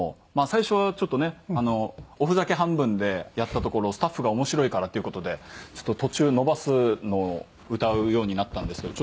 最初はちょっとねおふざけ半分でやったところスタッフが面白いからっていう事で途中伸ばすのを歌うようになったんですけど。